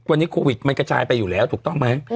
วันนี้โควิดมันกระจายไปอยู่แล้วถูกต้องไหม